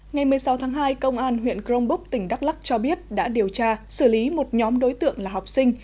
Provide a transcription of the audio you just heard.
ngày một mươi sáu tháng hai công an huyện crong búc tỉnh đắk lắc cho biết đã điều tra xử lý một nhóm đối tượng là học sinh